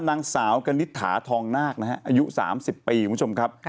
นางสาวกณิตถาทองนาคนะฮะอายุ๓๐ปีคุณผู้ชมครับ